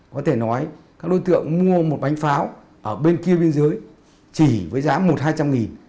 có thể nói các đối tượng mua một bánh pháo ở bên kia bên dưới chỉ với giá một hai trăm linh nghìn